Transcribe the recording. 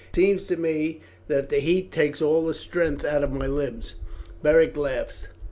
It seems to me that the heat takes all the strength out of my limbs." Beric laughed.